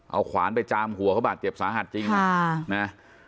เอาขวานไปจามหัวเขาบาดเจ็บสาหัสจริง